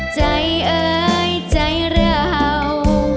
เอ่ยใจเรา